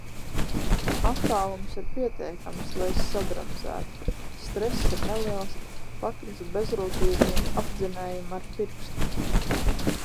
Attālums ir pietiekams, lai es sabremzētu, stress ir neliels, pakratu bezrūpīgajam apdzinējam ar pirkstu...